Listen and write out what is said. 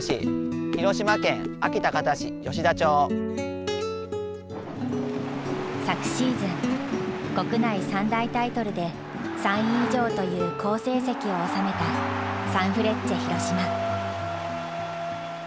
広島県安芸高田市吉田町。昨シーズン国内３大タイトルで３位以上という好成績を収めたサンフレッチェ広島。